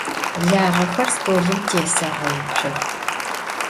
Lağexer stolım têseğeutsox.